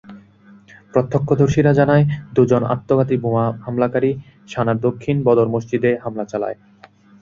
প্রত্যক্ষদর্শীরা জানায়, দুজন আত্মঘাতী বোমা হামলাকারী সানার দক্ষিণে বদর মসজিদে হামলা চালায়।